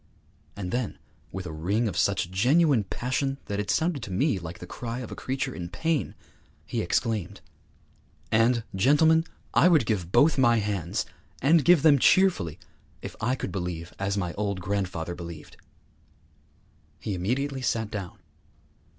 And then, with a ring of such genuine passion that it sounded to me like the cry of a creature in pain, he exclaimed, 'And, gentlemen, I would give both my hands, and give them cheerfully, if I could believe as my old grandfather believed!' He immediately sat down.